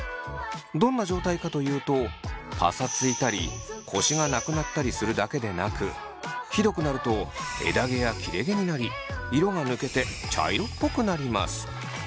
どんな状態かというとパサついたりコシがなくなったりするだけでなくひどくなると枝毛や切れ毛になり色が抜けて茶色っぽくなります。